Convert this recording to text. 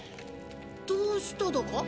どうしただか？